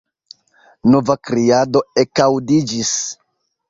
Nova kriado ekaŭdiĝis.